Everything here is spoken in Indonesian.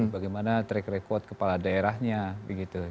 bagaimana track record kepala daerahnya begitu